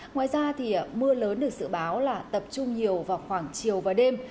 ngoài ra mưa lớn được dự báo là tập trung nhiều vào khoảng chiều và đêm